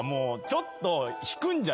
ちょっと。